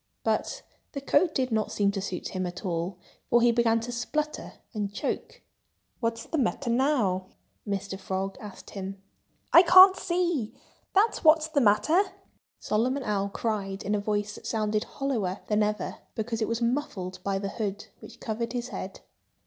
But the coat did not seem to suit him at all, for he began to splutter and choke. "What's the matter now?" Mr. Frog asked him. "I can't see—that's what's the matter!" Solomon Owl cried in a voice that sounded hollower than ever, because it was muffled by the hood, which covered his head.